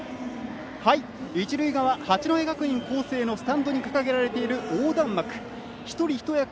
一塁側、八戸学院光星のスタンドに掲げられている横断幕は一人一役